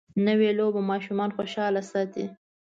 نوې لوبه ماشومان خوشحاله ساتي